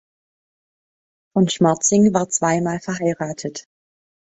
Von Schmertzing war zweimal verheiratet.